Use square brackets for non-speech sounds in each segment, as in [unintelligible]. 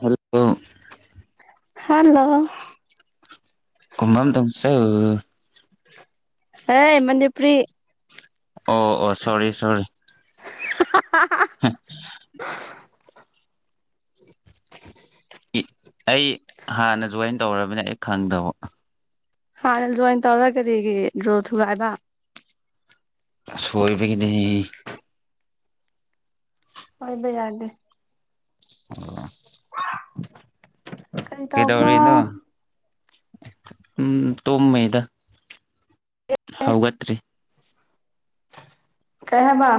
Hello hello ꯀꯣꯃꯝ ꯗꯧꯁꯧ ꯍꯦ ꯃꯅꯤꯄꯨꯔꯤ ꯑꯣ ꯑꯣ ꯁꯣꯔꯤ ꯁꯣꯔꯤ [unintelligible] ꯑꯩ ꯍꯥꯟꯅ ꯖꯣꯏꯟ ꯇꯧꯔꯕꯅꯦ ꯑꯩ ꯈꯪꯗꯕ ꯍꯥꯟꯅ ꯖꯣꯏꯟ ꯇꯧꯔꯒ ꯀꯔꯤꯒꯤ ꯔꯨꯜ ꯊꯨꯒꯥꯏꯕ ꯑꯁ ꯁꯣꯏꯕꯒꯤꯅꯤ ꯁꯣꯏꯕ ꯌꯥꯗꯦ ꯑꯣ ꯀꯔꯤ ꯇꯧꯕ꯭ꯔꯣ ꯀꯩꯗꯧꯔꯤꯅꯣ ꯎꯝ ꯇꯨꯝꯃꯤꯗ ꯍꯧꯒꯠꯇ꯭ꯔꯤ ꯀꯩ ꯍꯥꯏꯃ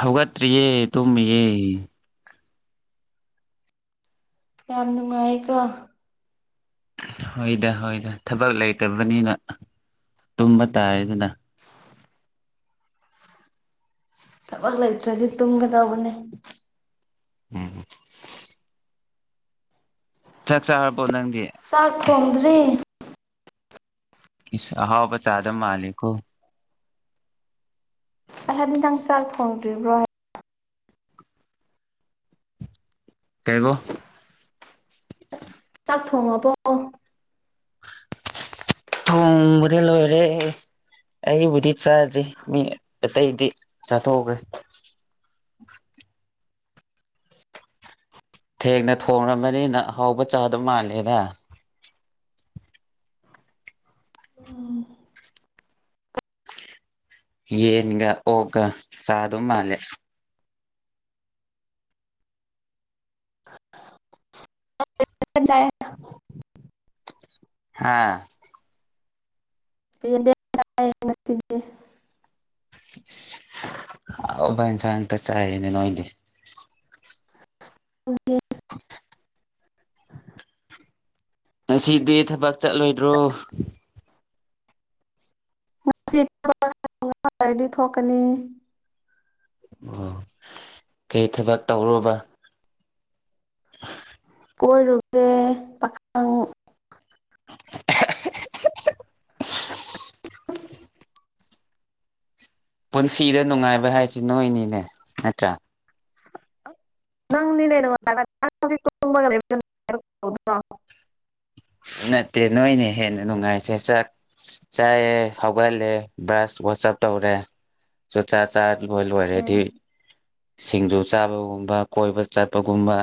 ꯍꯧꯒꯠꯇ꯭ꯔꯤꯌꯦ ꯇꯨꯝꯃꯤꯌꯦ ꯌꯥꯝ ꯅꯨꯡꯉꯥꯏꯀꯣ ꯍꯣꯏꯗ ꯍꯣꯏꯗ ꯊꯥꯕꯛ ꯂꯩꯇꯕꯅꯤꯅ ꯇꯨꯝꯕ ꯇꯥꯔꯦꯗꯅ ꯊꯥꯕꯛ ꯂꯩꯇ꯭ꯔꯗꯤ ꯇꯨꯝꯒꯗꯧꯕꯅꯤ ꯎꯝ ꯆꯥꯛ ꯆꯥꯔꯕꯣ ꯅꯪꯗꯤ ꯆꯥꯛ ꯊꯣꯡꯗ꯭ꯔꯤ ꯏꯁ ꯍꯥꯎꯕ ꯆꯥꯗꯧ ꯃꯥꯜꯂꯤꯀꯣ ꯑꯍꯟꯗꯪ ꯆꯥꯛ ꯊꯣꯡꯗ꯭ꯔꯤꯕ꯭ꯔꯣ ꯀꯩꯕꯣ ꯆꯥꯛ ꯆꯥꯛ ꯊꯣꯡꯉꯕꯣ ꯊꯣꯡꯒ꯭ꯔꯦ ꯂꯣꯏꯔꯦ ꯑꯩꯕꯨꯗꯤ ꯆꯥꯗ꯭ꯔꯤ ꯃꯤ ꯑꯇꯩꯗꯤ ꯆꯥꯊꯣꯛꯈ꯭ꯔꯦ ꯊꯦꯡꯅ ꯊꯣꯡꯔꯝꯃꯅꯤꯅ ꯑꯍꯥꯎꯕ ꯆꯥꯗꯧ ꯃꯥꯜꯂꯦꯗ ꯌꯦꯟꯒ ꯑꯣꯛꯀ ꯆꯥꯗꯧ ꯃꯥꯜꯂꯦ ꯇꯟ ꯆꯥꯌꯦ ꯍꯥꯥ ꯍꯦꯟꯗꯦꯝ ꯆꯥꯏꯌꯦ ꯉꯁꯤꯗꯤ ꯑꯍꯥꯎꯕ ꯏꯟꯁꯥꯡ ꯉꯥꯛꯇ ꯆꯥꯏꯌꯦꯅꯦ ꯅꯣꯏꯗꯤ ꯅꯣꯏꯗꯤ ꯉꯁꯤꯗꯤ ꯊꯥꯕꯛ ꯆꯠꯂꯣꯏꯗ꯭ꯔꯣ ꯉꯁꯤ ꯊꯥꯕꯛ [unintelligible] ꯊꯣꯛꯀꯅꯤ ꯑꯣ ꯀꯩ ꯊꯥꯕꯛ ꯇꯧꯔꯣꯕ [unintelligible] ꯀꯣꯏꯔꯨꯨꯒꯦ ꯄꯥꯈꯪ ꯄꯨꯟꯁꯤꯗ ꯅꯨꯡꯉꯥꯏꯕ ꯍꯥꯏꯁꯤ ꯅꯣꯏꯅꯤꯅꯦ ꯅꯠꯇ꯭ꯔꯥ ꯅꯪꯅꯤꯥꯅꯦ ꯏ [unintelligible] ꯉꯕꯣ [unintelligible] ꯅꯠꯇꯦ ꯅꯣꯏꯅꯦ ꯍꯦꯟꯅ ꯅꯨꯡꯉꯥꯏꯁꯦ ꯆ ꯆꯥꯏꯑꯦ ꯍꯧꯒꯠꯂꯦ ꯕ꯭ꯔꯁ ꯋꯥꯆꯞ ꯇꯧꯔꯦ ꯆꯨꯔꯆꯥꯥꯛ [unintelligible] ꯆꯥ ꯂꯣ ꯎꯝ ꯂꯣꯏꯔꯗꯤ ꯁꯤꯡꯖꯨ ꯆꯥꯕꯒꯨꯝꯕ ꯀꯣꯏꯕ ꯆꯠꯄꯒꯨꯝꯕ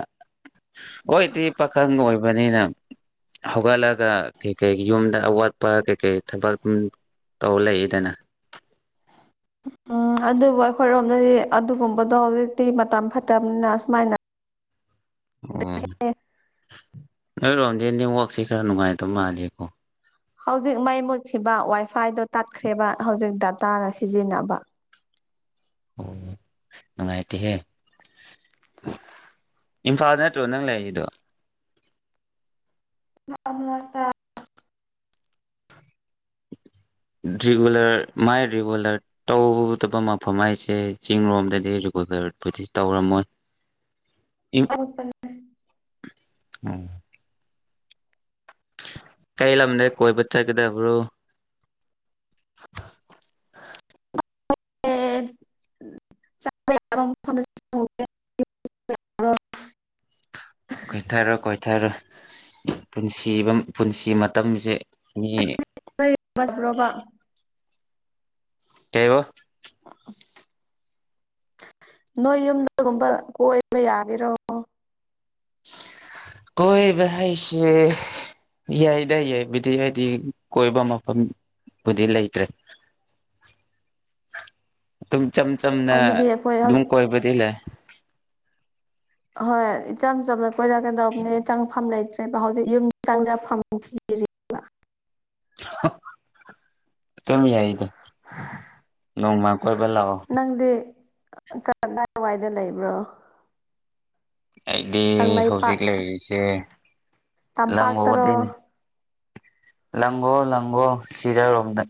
ꯍꯣꯏꯗꯤ ꯄꯥꯈꯪ ꯑꯣꯏꯕꯅꯤꯅ ꯍꯧꯒꯠꯂꯒ ꯀꯩꯀꯩ ꯌꯨꯝꯗ ꯑꯋꯥꯠꯄ ꯀꯩꯀꯩ ꯊꯕꯛ ꯎꯝ ꯇꯧ ꯂꯩꯌꯦꯗꯅ ꯎꯝ ꯑꯗꯨꯕꯨ ꯑꯩꯈꯣꯏꯔꯣꯝꯗꯗꯤ ꯑꯗꯨꯒꯨꯝꯕꯗꯣ ꯍꯧꯖꯤꯛꯇꯤ ꯃꯇꯝ ꯐꯠꯇꯕꯅꯤꯅ ꯑꯁꯨꯃꯥꯏꯅ ꯑꯣ ꯅꯣꯏ ꯔꯣꯝꯖꯦ ꯅꯦꯠꯋꯥꯛꯁꯦ ꯈꯔ ꯅꯨꯡꯉꯥꯏꯇꯕ ꯃꯥꯜꯂꯤꯀꯣ ꯍꯧꯖꯤꯛ ꯃꯩ ꯃꯨꯠꯈꯤꯕ ꯋꯥꯏꯐꯥꯏꯗꯣ ꯇꯠꯈ꯭ꯔꯦꯕ ꯍꯧꯖꯤꯛ ꯗꯗꯥꯇꯥꯅ ꯁꯤꯖꯤꯟꯅꯕ ꯑꯣ ꯅꯨꯡꯉꯥꯏꯇꯦꯍꯦ ꯏꯝꯐꯥꯜ ꯅꯠꯇ꯭ꯔꯣ ꯅꯪ ꯂꯩꯔꯤꯗꯣ ꯃꯥ [unintelligible] ꯗ꯭ꯔꯤꯒꯨꯂ꯭ꯔ ꯃꯥꯏ ꯔꯤꯒꯨꯂ꯭ꯔ ꯇꯧꯗꯕ ꯃꯐꯝ ꯍꯥꯏꯁꯦ ꯆꯤꯡꯔꯣꯝꯗꯗꯤ ꯔꯤꯒꯨꯂꯔꯕꯨꯗꯤ ꯇꯧꯔꯝꯃꯣꯏ ꯏꯪ ꯑꯣ [inaudible] ꯀꯩ ꯂꯝꯗ ꯀꯣꯏꯕ ꯆꯠꯀꯗꯕ꯭ꯔꯣ [inaudible] ꯆꯕ [unintelligible] ꯌꯥꯕ [unintelligible] ꯃꯐꯝꯗ [unintelligible] ꯀꯣꯏꯊꯔꯣ ꯀꯣꯏꯊꯔꯣ ꯄꯨꯟꯁꯤꯕ ꯄꯨꯟꯁꯤ ꯃꯇꯝꯁꯦ ꯃꯤ ꯕ꯭ꯔꯣꯕ [unintelligible] ꯀꯩꯕ ꯑꯣ [unintelligible] ꯅꯣꯏ ꯌꯨꯝꯗꯒꯨꯝꯕ ꯀꯣꯏꯕ ꯌꯥꯒꯦꯔꯣ ꯀꯣꯏꯕ ꯍꯥꯢꯁꯦ ꯌꯥꯏꯗ ꯌꯥꯏꯕꯨꯗꯤ ꯍꯥꯏꯗꯤ ꯀꯣꯏꯕ ꯃꯐꯝꯕꯨꯗꯤ ꯂꯩꯇ꯭ꯔꯦ ꯑꯗꯨꯝ ꯆꯝ ꯆꯝꯅ ꯍꯥꯏꯕꯗꯤ ꯑꯩꯈꯣꯏ ꯑꯗꯨꯝ ꯀꯣꯏꯕꯗꯤ ꯂꯩ ꯍꯣꯏ ꯏꯆꯝ ꯆꯝꯅ ꯀꯣꯏꯔꯛꯀꯗꯧꯕꯅꯦ ꯆꯪꯐꯝ ꯂꯩꯇ꯭ꯔꯦꯕ ꯍꯧꯖꯤꯛ ꯌꯨꯝ ꯆꯪꯖꯐꯝ ꯊꯤꯔꯤ ꯑꯗꯨꯝ ꯌꯥꯏꯗ ꯅꯣꯡꯃ ꯀꯣꯏꯕ ꯂꯥꯛꯑꯣ ꯅꯪꯗꯤ ꯀꯗꯥꯏꯋꯥꯏꯗ ꯂꯩꯕ꯭ꯔꯣ ꯑꯩꯗꯤ ꯀꯪꯂꯩꯄꯥꯛ ꯍꯧꯖꯤꯛ ꯂꯩꯔꯤꯁꯦ ꯂꯪꯉꯗꯤꯅꯤ ꯇꯝꯄꯥꯛꯇꯔꯣ [unintelligible] ꯂꯪꯒꯣ ꯂꯪꯒꯣ ꯁꯤꯔꯔꯣꯝꯗ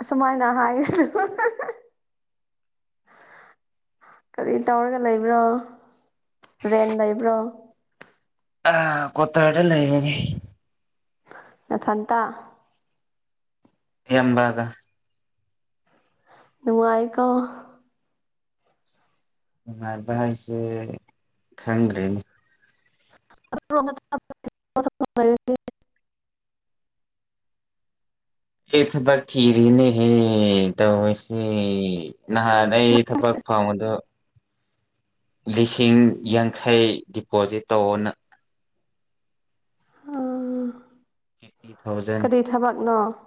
ꯑꯁꯨꯃꯥꯏꯅ ꯍꯥꯏꯌꯦ ꯀꯔꯤ ꯇꯧꯔꯒ ꯂꯩꯕ꯭ꯔꯣ ꯔꯦꯟ ꯂꯩꯕ꯭ꯔꯣ ꯑ ꯀꯣꯠꯇꯔꯗ ꯂꯩꯕꯅꯤ ꯅꯊꯟꯇꯥ ꯏꯌꯥꯝꯕꯒ ꯅꯨꯉꯥꯏꯀꯣ ꯅꯨꯡꯉꯥꯏꯕ ꯍꯥꯏꯁꯦ ꯈꯪꯗ꯭ꯔꯦꯅꯦ [inaudible] ꯍ [unintelligible] ꯑꯩ ꯊꯕꯛ ꯊꯤꯔꯤꯅꯦꯍꯦ ꯇꯧꯔꯤꯁꯦ ꯅꯍꯥꯟ ꯑꯩ ꯊꯕꯛ ꯐꯪꯕꯗꯣ ꯂꯤꯁꯤꯡ ꯌꯥꯡꯈꯩ ꯗꯤꯄꯣꯖꯤꯠ ꯇꯧꯑꯣꯅ ꯎꯝ ꯐꯤꯐꯇꯤ ꯊꯥꯎꯖꯟ ꯀꯔꯤ ꯊꯕꯛꯅꯣ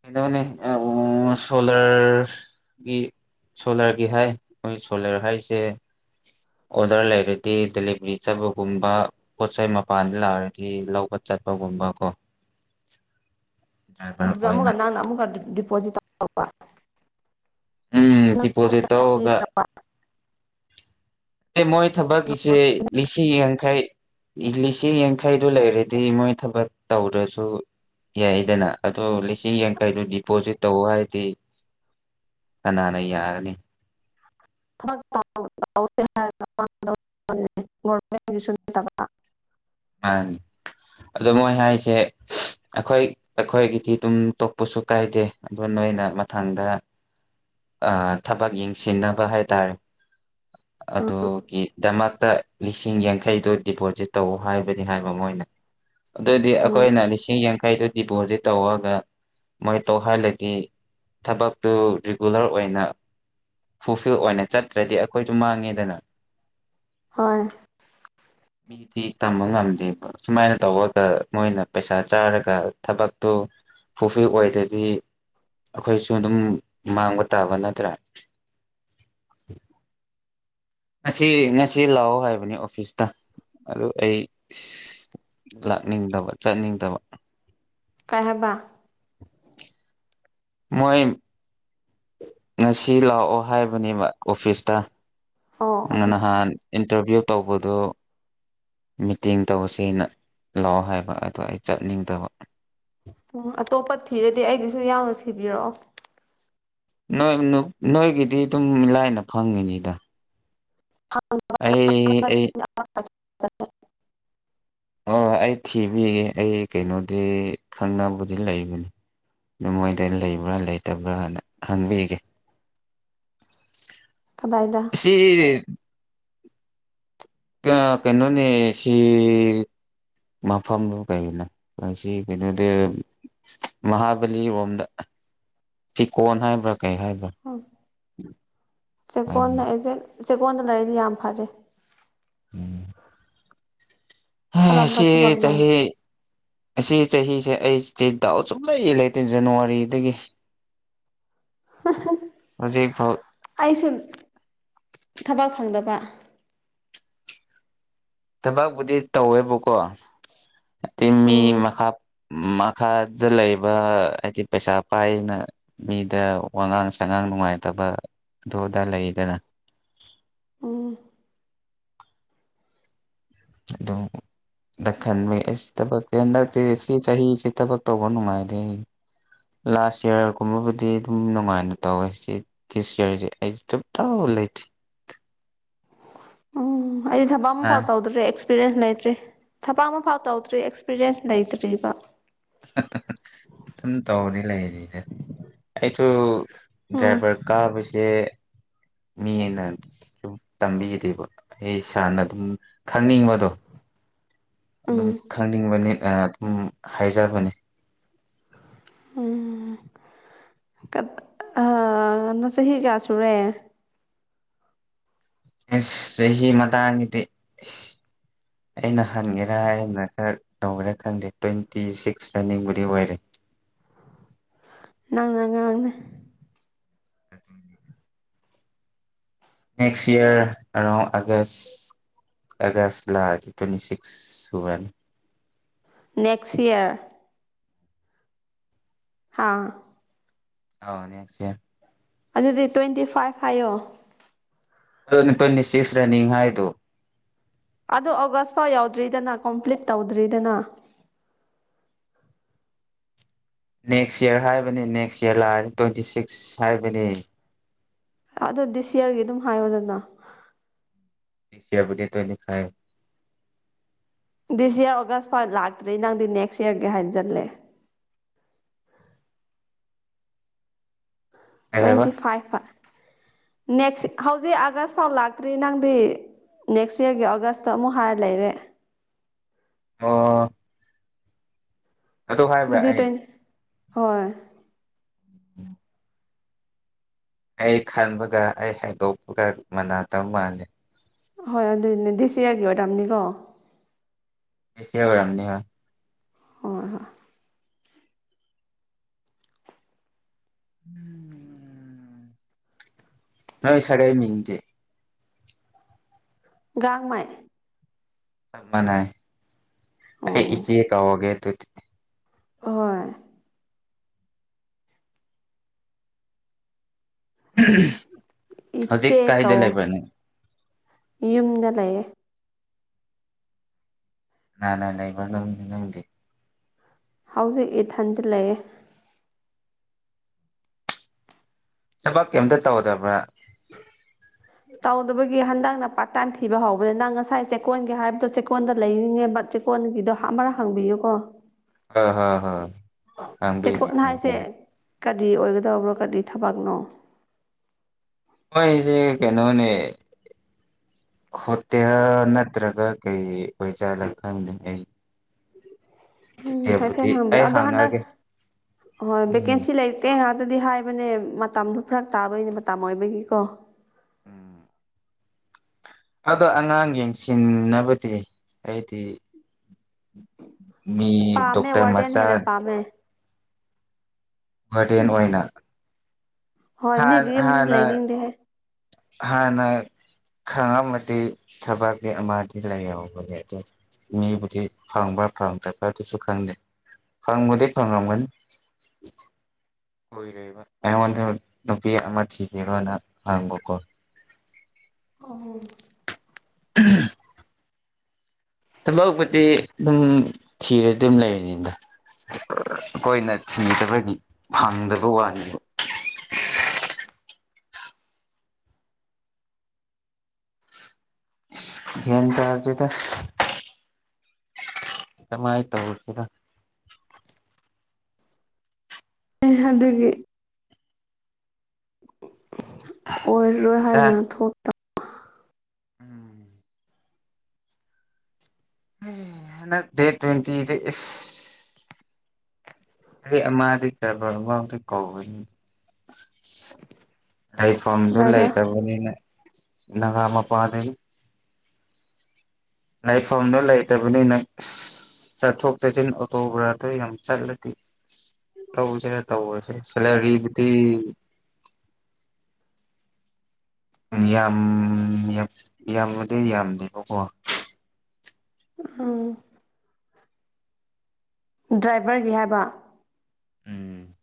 ꯀꯩꯅꯣꯅꯤ ꯑ ꯑꯣ ꯁꯣꯂꯔ ꯒꯤ ꯁꯣꯂꯔꯒꯤ ꯍꯥꯏ ꯍꯣꯏ ꯁꯣꯂꯔ ꯍꯥꯏꯁꯦ ꯑꯣꯗꯔ ꯂꯩꯔꯗꯤ ꯗꯦꯂꯤꯕꯔꯤ ꯆꯠꯕꯒꯨꯝꯕ ꯄꯣꯠ ꯆꯩꯩ ꯃꯄꯥꯟꯗ ꯂꯥꯛꯔꯗꯤ ꯂꯧꯕ ꯆꯠꯄꯒꯨꯝꯕ ꯀꯣ [unintelligible] ꯗꯣ ꯑꯃꯨꯛꯀ ꯅꯪꯅ ꯑꯃꯨꯛꯀ ꯗꯤꯞ ꯗꯤꯄꯣꯖꯤꯠ ꯇꯧ ꯇꯧꯄ ꯎꯝ ꯗꯤꯄꯣꯖꯤꯠ ꯇꯧꯑꯣꯒ ꯃꯣꯏ ꯊꯕꯛꯀꯤꯁꯦ ꯂꯤꯁꯤꯡ ꯌꯥꯡꯈꯩ ꯂꯤꯁꯤꯡ ꯌꯥꯡꯈ ꯍꯩꯗꯨ ꯂꯩꯔꯗꯤ ꯃꯣꯏ ꯊꯕꯛ ꯇꯧꯗ꯭ꯔꯁꯨ ꯌꯥꯏꯗꯅ ꯑꯗꯣ ꯂꯤꯁꯤꯡ ꯌꯥꯡꯈꯩꯗꯨ ꯗꯤꯄꯣꯖꯤꯠ ꯇꯧ ꯍꯥꯏꯗꯤ ꯀꯅꯥꯅ ꯌꯥꯒꯅꯤ ꯊꯕꯛ [unintelligible] ꯃꯥꯅꯤ ꯑꯗꯣ ꯃꯣꯏ ꯍꯥꯏꯁꯦ ꯑꯩꯈꯣꯏ ꯑꯩꯈꯣꯏꯒꯤꯗꯤ ꯑꯗꯨꯝ ꯇꯣꯛꯄꯁꯨ ꯀꯥꯏꯗꯦ ꯑꯗꯣ ꯅꯣꯏꯅ ꯃꯊꯪꯗ ꯑꯥ ꯊꯕꯛ ꯌꯦꯡꯁꯤꯟꯅꯕ ꯍꯥꯏꯇꯥꯔꯦ ꯎꯝ ꯑꯗꯨꯒꯤ ꯗꯃꯛꯇ ꯂꯤꯁꯤꯡ ꯌꯥꯡꯈꯩꯗꯣ ꯗꯤꯄꯣꯖꯤꯠ ꯇꯧ ꯍꯥꯏꯕꯗꯤ ꯍꯥꯏꯕ ꯃꯣꯏꯅ ꯑꯗꯨꯗꯤ ꯎꯝ ꯑꯩꯈꯣꯏꯅ ꯂꯤꯁꯤꯡ ꯌꯥꯡꯈꯩꯗꯨ ꯗꯤꯄꯣꯖꯤꯠ ꯇꯧꯑꯒ ꯃꯣꯏ ꯇꯣꯛꯍꯜꯂꯗꯤ ꯊꯕꯛꯇꯨ ꯔꯤꯒꯨꯂꯔ ꯑꯣꯏꯅ ꯐꯨꯜꯐꯤꯜ ꯑꯣꯏꯅ ꯆꯠꯇ꯭ꯔꯗꯤ ꯑꯩꯈꯣꯏꯁꯨ ꯃꯥꯡꯉꯦꯗꯅ ꯍꯣꯏ ꯃꯤꯗꯤ ꯇꯝꯕ ꯉꯝꯗꯦꯕ ꯁꯨꯃꯥꯏꯅ ꯇꯧꯑꯒ ꯃꯣꯏꯅ ꯄꯩꯁꯥ ꯆꯥꯔꯒ ꯊꯕꯛꯇꯨ ꯐꯨꯜꯐꯤꯜ ꯑꯣꯏꯗꯗꯤ ꯑꯩꯈꯣꯏꯁꯨ ꯑꯗꯨꯝ ꯃꯥꯡꯕ ꯇꯥꯕ ꯅꯠꯇ꯭ꯔꯥ ꯉꯁꯤ ꯉꯁꯤ ꯂꯥꯛꯑꯣ ꯍꯥꯏꯕꯅꯦ ꯑꯣꯐꯤꯁꯇ ꯑꯗꯨ ꯑꯩ ꯂꯥꯛꯅꯤꯡꯗꯕ ꯆꯠꯅꯤꯡꯗꯕ ꯀꯩ ꯍꯥꯏꯕ ꯃꯣꯏ ꯉꯁꯤ ꯂꯥꯛꯑꯣ ꯍꯥꯏꯕꯅꯦꯕ ꯑꯣꯐꯤꯁꯇ ꯑꯣ ꯑꯣ ꯅꯍꯥꯟ ꯏꯟꯇꯔꯚꯤꯌꯨ ꯇꯧꯕꯗꯣ ꯃꯤꯇꯤꯡ ꯇꯧꯁꯦꯅ ꯂꯥꯛꯑꯣ ꯍꯥꯏꯕ ꯑꯗꯣ ꯑꯩ ꯆꯠꯅꯤꯡꯗꯕ ꯑꯣ ꯑꯇꯣꯞꯄ ꯊꯤꯔꯗꯤ ꯑꯩꯒꯤꯁꯨ ꯌꯥꯎꯅ ꯊꯤꯕꯤꯔꯛꯑꯣ ꯅꯣꯏ ꯅꯨ ꯅꯣꯏꯒꯤꯗꯤ ꯑꯗꯨꯝ ꯂꯥꯏꯅ ꯐꯪꯒꯅꯤꯗ [unintelligible] ꯑꯩ ꯑꯩ [unintelligible] ꯑꯣ ꯑꯩ ꯊꯤꯕꯤꯌꯦ ꯑꯩ ꯀꯩꯅꯣꯗꯤ ꯈꯪꯅꯕꯕꯨꯗꯤ ꯂꯩꯕꯅꯤ ꯑꯗꯨ ꯃꯣꯏꯗ ꯂꯩꯕ꯭ꯔꯥ ꯂꯩꯇꯕ꯭ꯔꯥꯅ ꯍꯪꯕꯤꯒꯦ [unintelligible] ꯀꯗꯥꯏꯗ ꯁꯤ ꯀꯥ ꯀꯩꯅꯣꯅꯦ ꯁꯤ ꯃꯐꯝꯗꯨꯕꯨ ꯀꯩꯅꯣ ꯃꯁꯤ ꯀꯩꯅꯣꯗ ꯃꯍꯥꯕꯂꯤꯔꯣꯝꯗ ꯆꯤꯀꯣꯟ ꯍꯥꯏꯕ꯭ꯔꯥ ꯀꯩ ꯍꯥꯏꯕ꯭ꯔꯥ ꯍ‌ꯣ ꯆꯦꯛꯀꯣꯟꯗ [unintelligible] ꯎꯝ ꯖꯦ ꯆꯦꯛꯀꯣꯟꯗ ꯂꯩꯔꯗꯤ ꯌꯥꯝ ꯐꯔꯦ ꯎꯝ ꯍꯦ ꯀꯔꯝꯕ ꯁꯤ ꯊꯕꯛꯅꯣ ꯆꯍꯤ ꯑꯁꯤ ꯆꯍꯤꯁꯦ ꯑꯩꯁ‌ꯦ ꯗꯥꯎ ꯁꯨꯛꯂꯩ ꯂꯩꯇꯦ ꯖꯟꯋꯥꯔꯤꯗꯒꯤ ꯍꯧꯖꯤꯛ ꯐꯥꯎ ꯑꯩꯁꯨ ꯊꯕꯛ ꯐꯪꯗꯕ ꯊꯥꯕꯛꯕꯨꯗꯤ ꯇꯧꯋꯦꯕꯀꯣ ꯑꯗꯨ ꯃꯤ ꯑꯣ ꯃꯈꯥ ꯎꯝ ꯃꯈꯥꯗ ꯂꯩꯕ ꯍꯥꯏꯗꯤ ꯄꯩꯁꯥ ꯄꯥꯏꯅ ꯃꯤꯗ ꯋꯥꯉꯥꯡ ꯁꯉꯥꯡ ꯅꯨꯡꯉꯥꯏꯇꯕ ꯑꯗꯨ ꯑꯗꯥ ꯂꯩꯗꯅ ꯎꯝ ꯑꯗꯨ ꯗ ꯈꯟꯕ ꯑꯩꯁ ꯊꯕꯛꯇꯤ ꯍꯟꯗꯛꯇꯤ ꯁꯤ ꯆꯍꯤꯁꯤ ꯊꯕꯛ ꯇꯧꯕ ꯅꯨꯡꯉꯥꯏꯗꯦ ꯂꯥꯁ ꯏꯌꯥꯔꯒꯨꯝꯕꯕꯨꯗꯤ ꯗꯨꯝ ꯅꯨꯡꯉꯥꯏꯅ ꯇꯧꯋꯦ ꯁꯤ ꯗꯤꯁ ꯏꯌꯥꯔꯖ‌ꯦ ꯑꯩ ꯁꯨꯞꯇꯧ ꯂꯩꯇ‌ꯦ ꯎꯝ ꯑꯩ ꯊꯥꯕꯛ ꯑꯝꯐꯥꯎ ꯇꯧꯗ꯭ꯔꯦ ꯑꯦꯛꯁ ꯄꯤꯔꯦꯟꯁ ꯂꯩꯇ꯭ꯔꯤ ꯊꯕꯛ ꯑꯃꯐꯥꯎ ꯇꯧꯗ꯭ꯔꯤ ꯑꯦꯛꯁꯄꯤꯔꯦꯟꯁ ꯂꯩꯇ꯭ꯔꯤꯕ ꯁꯨꯝ ꯇꯧꯔꯤꯗꯤ ꯂꯩꯔꯤꯗ ꯑꯩꯁꯨ ꯎꯝ ꯗ꯭ꯔꯥꯏꯚꯔ ꯀꯥꯕꯁꯦ ꯃꯤꯅ ꯇꯝꯕꯤꯔꯤꯕ ꯑꯩ ꯁꯥꯔꯅ ꯑꯗꯨꯝ ꯈꯪꯅꯤꯡꯕꯗꯣ ꯑꯗꯨꯝ ꯎꯝ ꯈꯪꯅꯤꯡꯕꯅꯤ ꯑꯥ ꯑꯗꯨꯝ ꯍꯥꯏꯖꯕꯅꯤ ꯎꯝ ꯀ ꯑ ꯅꯥ ꯆꯍꯤ ꯀꯌꯥ ꯁꯨꯔꯦ ꯑꯁ ꯆꯍꯤ ꯃꯇꯥꯡꯒꯤꯗꯤ ꯑꯩꯅ ꯍꯟꯒꯦꯔꯥ ꯍꯥꯏꯅ ꯈꯔ ꯇꯧꯔꯥ ꯈꯪꯗꯦ ꯇ꯭ꯋꯦꯟꯇꯤ ꯁꯤꯛꯁ ꯔꯟꯅꯤꯡꯕꯨꯗꯤ ꯑꯣꯏꯔꯦ ꯅꯪ ꯑꯉꯥꯡꯅ‌ꯦ next year around August August ꯂꯥꯛꯑꯗꯤ ꯇ꯭ꯋꯦꯟꯇꯤ ꯁꯤꯛꯁ ꯁꯨꯔꯅꯤ ꯅꯦꯛꯁ ꯏꯌꯥꯔ ꯍꯥꯥ ꯑꯥꯎ ꯅꯦꯛꯁ ꯏꯌꯥꯔ ꯑꯗꯨꯗꯤ ꯇ꯭ꯋꯦꯟꯇꯤ ꯐꯥꯏꯚ ꯍꯥꯏꯌꯣ ꯑꯗꯨꯅꯤ ꯇ꯭ꯋꯦꯟꯇꯤꯁꯤꯛꯁ ꯔꯟꯅꯤꯡ ꯍꯥꯏꯗꯨ ꯑꯗ‌ꯣ ꯑꯣꯒꯁ ꯐꯥꯎ ꯌꯥꯎꯗ꯭ꯔꯤꯗꯅ ꯀꯣꯝꯄ꯭ꯂꯤꯠ ꯇꯧꯗ꯭ꯔꯤꯗꯅ ꯅꯦꯛꯁ ꯏꯌꯥꯔ ꯍꯥꯏꯕꯅꯤ ꯅꯦꯛꯁ ꯏꯌꯥꯔ ꯂꯥꯛꯑ ꯇ꯭ꯋꯦꯟꯇꯤ ꯁꯤꯛꯁ ꯍꯥꯏꯕꯅꯤ ꯑꯗꯣ ꯗꯤꯁ ꯏꯌꯥꯔꯒꯤ ꯗꯨꯝ ꯍꯥꯏꯌꯣꯗꯅ ꯗꯤꯁ ꯏꯌꯥꯔꯕꯨꯗꯤ twenty five this year August ꯐꯥꯎ ꯂꯥꯛꯇ꯭ꯔꯤ ꯅꯪꯗꯤ ꯅꯦꯛꯁ ꯏꯌꯥꯔꯒꯤ ꯍꯥꯏꯖꯜꯂꯦ ꯀꯩ ꯍꯥꯏꯕ ꯇ꯭ꯋꯦꯟꯇꯤ ꯐꯥꯏꯚ ꯐ ꯅꯦꯛꯁ ꯍꯧꯖꯤꯛ ꯑꯥꯒꯁ ꯐꯥꯎ ꯂꯥꯛꯇ꯭ꯔꯤ ꯅꯪꯗꯤ ꯅꯦꯛꯁ ꯏꯌꯔꯒꯤ ꯑꯣꯒꯁꯇ ꯑꯃꯨꯛ ꯍꯥꯏꯔ ꯂꯩꯔꯦ ꯑꯣ ꯍꯣ ꯍꯣ꯫ ꯍꯥꯏꯕ꯭ꯔꯥ ꯑꯗꯨꯗꯤ ꯑꯩ ꯇ꯭ꯋꯦꯟ ꯍꯣꯏ꯫ ꯑꯩ ꯈꯟꯕꯒ ꯑꯩ ꯍꯥꯏꯗꯣꯛꯄꯒ ꯃꯅꯥꯇ ꯃꯥꯜꯂꯦ꯫ ꯍꯣꯏ ꯑꯗꯨꯅꯦ ꯗꯤꯁ ꯁꯤꯌꯔꯒꯤ ꯑꯣꯏꯔꯝꯅꯤꯀꯣ꯫ ꯏꯟꯁꯇ꯭ꯔꯥꯝꯅꯤ ꯍꯥ꯫ ꯍꯣꯏ ꯍꯣꯏ꯫ ꯎꯝ ꯅꯣꯏ ꯁꯥꯒꯩ ꯃꯤꯡꯗꯤ꯫ ꯒꯥꯡꯃꯩ꯫ ꯆꯞ ꯃꯟꯅꯩ ꯑꯩ ꯑꯣ ꯏꯆꯦ ꯀꯧꯔꯒꯦ ꯑꯗꯨꯗꯤ꯫ ꯍꯣꯏ꯫ ꯍꯧꯖꯤꯛ ꯏꯆꯦ ꯀꯥꯏꯗ ꯀꯧꯋꯣ ꯂꯩꯕ꯭ꯔ ꯅꯪ꯫ ꯌꯨꯝꯗ ꯂꯩꯌꯦ꯫ ꯀꯅꯥ ꯀꯅꯥ ꯂꯩꯕ ꯅꯪ ꯅꯪꯗꯤ꯫ ꯍꯧꯖꯤꯛ ꯏꯊꯟꯇ ꯂꯩꯌꯦ꯫ ꯊꯕꯛ ꯀꯩꯝꯇ ꯇꯧꯗꯕ꯭ꯔꯥ꯫ ꯇꯧꯗꯕꯒꯤ ꯍꯟꯗꯛꯅ ꯄꯥꯔꯠ ꯇꯥꯏꯝ ꯊꯤꯕ ꯍꯧꯕꯅꯤ ꯅꯪ ꯉꯁꯥꯏ ꯆꯦꯛꯀꯣꯟꯒꯤ ꯍꯥꯏꯕꯗꯣ ꯆꯦꯛꯀꯣꯟꯗ ꯂꯩꯅꯤꯡꯉꯦꯕ ꯆꯦꯛ ꯀꯣꯟꯒꯤꯗꯣ ꯍꯡ ꯑꯃꯔꯛ ꯍꯪꯕꯤꯌꯨꯀꯣ꯫ ꯍꯣꯏ ꯍꯣꯏ ꯍꯣꯏ꯫ ꯈꯪꯕꯤꯒꯦ ꯆꯦꯛꯀꯣꯠ ꯍꯥꯏꯁꯦ ꯈꯪꯕꯤꯒꯦ ꯀꯔꯤ ꯑꯣꯏꯒꯗꯕ꯭ꯔꯣ ꯀꯔꯤ ꯊꯕꯛꯅꯣ꯫ ꯃꯣꯏꯁꯦ ꯀꯩꯅꯣꯅꯦ꯫ ꯍꯣꯇꯦꯜ ꯅꯠꯇ꯭ꯔꯒ ꯀꯩ ꯑꯣꯏꯖꯥꯠꯂ ꯈꯪꯗꯦꯅꯦ ꯑꯩ꯫ ꯎꯝ ꯍꯣꯇꯦꯜꯕꯨꯗꯤ ꯍꯥꯏꯐꯦꯠ ꯍꯪꯕꯤꯌꯣ ꯑꯩ ꯑꯗꯣ ꯍꯟꯗꯛ ꯍꯥꯡꯉꯛꯑꯒꯦ ꯍꯣꯏ ꯎꯝ ꯚꯦꯀꯦꯟꯁꯤ ꯂꯩ ꯇꯦ ꯉꯥꯛꯇꯗꯤ ꯍꯥꯏꯕꯅꯦ ꯃꯇꯝꯗꯣ ꯐꯔꯛ ꯇꯥꯕꯒꯤꯅꯦ ꯃꯇꯝ ꯑꯣꯏꯕꯒꯤꯀꯣ꯫ ꯎꯝ꯫ ꯑꯗꯣ ꯑꯉꯥꯡ ꯌꯦꯡꯁꯤꯅꯕꯗꯤ ꯑꯩꯗꯤ꯫ ꯃꯤ ꯗꯣꯛꯇꯔ ꯃꯆꯥ ꯃꯥꯟꯅꯦ꯫ ꯋꯥꯔꯗꯦꯟ ꯑꯣꯏꯅ꯫ ꯍꯣꯏ ꯍꯥꯟ ꯃꯤꯒꯤ ꯌꯨꯝꯗꯗꯤ ꯍꯥꯟꯅ ꯂꯩꯅꯤꯡꯗꯦꯍꯦ꯫ ꯍꯥꯟꯅ ꯈꯪꯉꯝꯃꯗꯤ ꯊꯕꯛꯇꯤ ꯑꯃꯗꯤ ꯂꯩꯌꯦꯕ ꯍꯧꯖꯤꯛꯇꯤ ꯃꯤꯕꯨꯗꯤ ꯐꯪꯕ꯭ꯔ ꯐꯪꯗꯕ ꯑꯗꯨꯁꯨ ꯈꯪꯗꯦ ꯐꯪꯕꯗꯤ ꯐꯪꯉꯝꯒꯅꯤ꯫ ꯀꯨꯏꯔꯦꯕ ꯑꯩꯉꯣꯟꯗ ꯅꯨꯄꯤ ꯑꯃ ꯊꯤꯒꯦꯔꯣꯅ ꯍꯪꯕꯀꯣ꯫ ꯎꯝ꯫ ꯎꯝ ꯊꯕꯛꯄꯨꯗꯤ ꯑꯗꯨꯝ ꯊꯤꯔ ꯑꯗꯨꯝ ꯂꯩꯔꯅꯤꯗ꯫ ꯑꯩꯈꯣꯏꯅ ꯊꯤꯗꯕꯒꯤ ꯐꯪꯗꯕ ꯋꯥꯅꯦꯕ꯫ ꯒ꯭ꯌꯥꯟ ꯇꯗ꯭ꯦꯗ꯫ ꯀꯃꯥꯏ ꯇꯧꯔꯁꯤꯔꯥ꯫ ꯑꯦ ꯑꯗꯨꯒꯤ꯫ ꯑꯣꯏꯔꯣꯏ ꯍꯥꯏꯅ ꯆꯥꯛ ꯊꯣꯛ ꯎꯝ꯫ ꯎꯝ ꯍꯟꯗꯛ ꯗꯦꯠ ꯇ꯭ꯋꯦꯟꯇꯤꯗ ꯏꯁ ꯑꯩ ꯑꯃꯗꯤ ꯁꯥꯏꯕꯔ ꯕꯥꯎꯗ ꯀꯧꯕꯅꯤ꯫ ꯂꯩꯐꯝꯗꯨ ꯑꯗꯨꯋꯥꯏꯗ ꯂꯩꯇꯕꯅꯤꯅ ꯅꯒꯥ ꯃꯄꯥꯗꯒꯤ ꯂꯩꯐꯝꯗꯣ ꯂꯩꯇꯕꯅꯤꯅ ꯆꯠꯊꯣꯛ ꯆꯠꯁꯤꯟ ꯑꯣꯇꯣ ꯕ꯭ꯔꯥꯗꯣ ꯌꯥꯝ ꯆꯠꯂꯗꯤ ꯊꯧꯁꯤꯔ ꯇꯧꯕꯅꯤ ꯁꯦꯂꯔꯤꯕꯨꯗꯤ ꯌꯥꯝ ꯌꯥꯝꯕꯨꯗꯤ ꯌꯥꯝꯗꯦꯕꯀꯣ ꯎꯝ ꯗ꯭ꯔꯥꯏꯚꯔꯒꯤ ꯍꯥꯏꯕ ꯎꯝ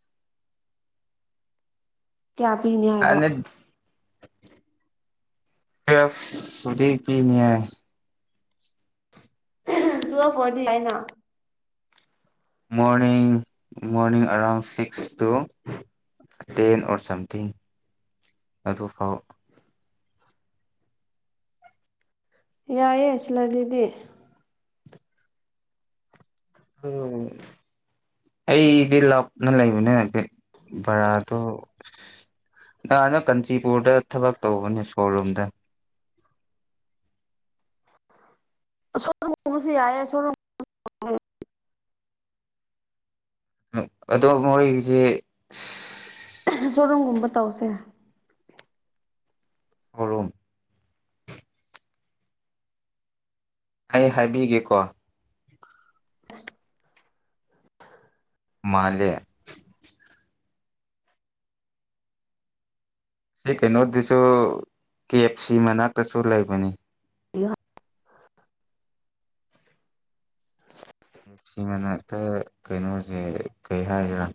ꯀꯌꯥ ꯄꯤꯅꯤ ꯍꯥꯏꯕ ꯇꯨꯋ°ꯟ ꯄꯨꯗꯤ ꯄꯤꯅꯤ ꯍꯥꯏ ꯇꯨꯋꯦꯞ ꯑꫭꯏꯔꯗꯤ ꯌꯥꯥꯏꯅ morning morning around six to ten or something ꯑꯗꯨꯐꯥꯎ ꯌꯥꯏꯑꯦ ꯁꯤꯜꯂꯂꯤꯗꯤ [inaudible] ꯑꯩꯗꯤ ꯂꯥꯞꯅ ꯂꯩꯕꯅꯦ ꯕꯔꯥꯗꯣ ꯗꯥꯅ ꯀꯥꯟꯆꯤꯄꯨꯔꯗ ꯊꯕꯛ ꯇꯧꯕꯅꯦ ꯁ꯭ꯔꯣꯔꯨꯝꯗ ꯁ꯭ꯔꯣꯔꯨꯝꯒꯨꯝꯕꯁꯨ ꯌꯥꯏꯌꯦ ꯁ꯭ꯔꯣꯔꯨꯝ ꯑꯗꯣ ꯃꯣꯏꯒꯤꯁꯤ ꯁ꯭ꯔꯣꯔꯨꯝꯒꯨꯝꯕ ꯇꯧꯁꯦ ꯁꯣꯔꯨꯝ ꯑꯩ ꯍꯥꯏꯕꯤꯒꯦꯀꯣ ꯃꯥꯜꯂꯦ ꯁꯤ ꯀꯩꯅꯣꯗꯨꯁꯨ ꯀꯦ ꯑꯦꯐ ꯁꯤ ꯃꯅꯥꯛꯇꯁꯨ ꯂꯩꯕꯅꯤ [inaudible] ꯁꯤ ꯃꯅꯥꯛꯇ ꯀꯩꯅꯣꯁꯦ ꯀꯩ ꯍꯥꯏꯁꯤꯔꯥ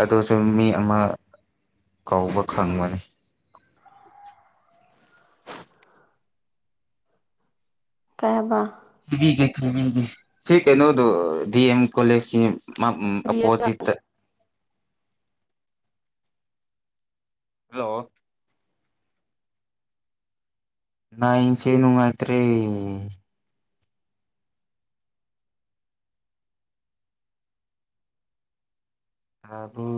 ꯑꯗꯨꯁꯨ ꯃꯤ ꯑꯃ ꯀꯧꯕ ꯈꯪꯕꯅꯤ ꯀꯩꯍꯥꯏꯕ ꯊꯤꯕꯤꯒꯦ ꯊꯤꯕꯤꯒꯦ ꯁꯤ ꯀꯩꯅꯣꯗꯣ ꯗꯤ ꯑꯦꯝ ꯀꯣꯂꯦꯖꯁꯤ ꯃ ꯑꯣꯄꯣꯖꯤꯛꯇ ꯍꯜꯂꯣ ꯂꯥꯏꯟꯁꯦ ꯅꯨꯡꯉꯥꯏꯇꯔꯦ ꯇꯔꯕꯣ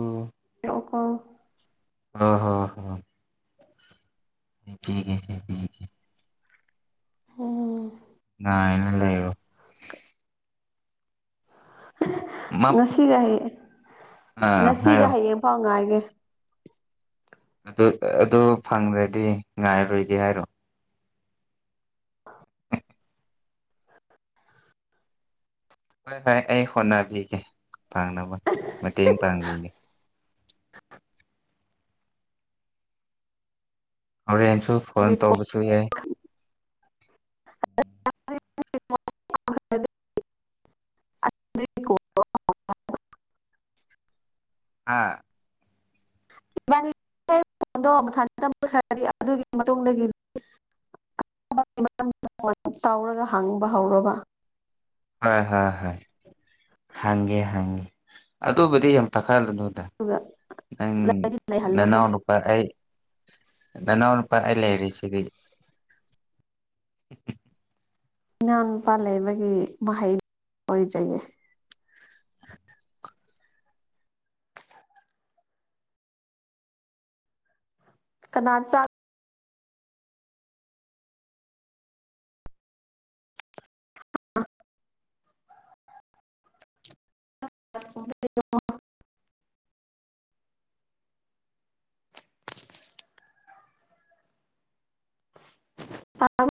[inaudible] [inaudible] [unintelligible] [inaudible] ꯉꯥꯏꯔꯒ ꯂꯩꯔꯣ ꯃꯞ ꯉꯁꯤꯒ ꯍꯌꯦꯡ ꯑꯥ ꯉꯁꯤꯒ ꯍꯥꯏꯔꯣ ꯍꯌꯦꯡꯐꯥꯎ ꯉꯥꯏꯒꯦ ꯑꯗꯨ ꯑꯗꯨ ꯐꯪꯗ꯭ꯔꯗꯤ ꯉꯥꯏꯔꯣꯏꯒꯦ ꯍꯥꯏꯔꯣ ꯍꯣꯏ ꯍꯣꯏ ꯑꯩ ꯍꯣꯠꯅꯕꯤꯒꯦ ꯐꯪꯅꯕ ꯃꯇꯦꯡ ꯄꯥꯡꯕꯤꯒꯦ ꯍꯣꯔꯦꯡꯁꯨ ꯐꯣꯟ ꯇꯧꯕꯁꯨ ꯌꯥꯏ ꯑꯥ [unintelligible] ꯑꯗꯨꯒꯤ ꯃꯇꯨꯡꯗꯒꯤ [unintelligible] ꯇꯧꯔꯒ ꯍꯥꯡꯕ ꯍꯧꯔꯣꯕ ꯍꯣꯏ ꯍꯣꯏ ꯍꯣꯏ ꯍꯪꯒꯦ ꯍꯪꯉꯤ ꯑꯗꯨꯕꯨꯗꯤ ꯌꯥꯝ ꯄꯥꯈꯠꯂꯨꯅꯨꯗ ꯑꯗꯨꯒ ꯅꯪ ꯑꯩꯗꯤ ꯂꯩꯍꯜꯂꯣꯍꯦ ꯅꯅꯥꯎꯅꯨ ꯄꯥ ꯑꯩ ꯅꯅꯥꯎꯅꯨꯄꯥ ꯑꯩ ꯂꯩꯔꯤꯁꯤꯗꯤ ꯏꯅꯥꯎ ꯅꯨꯄꯥ ꯂꯩꯕꯒꯤ ꯃꯍꯩ ꯑꯣꯏꯖꯒꯦ ꯀꯅꯥ ꯆꯥꯛ__ ꯊꯣꯡꯗꯣꯏꯅꯣ ꯍꯥꯎ